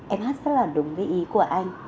em hát rất là đúng với ý của anh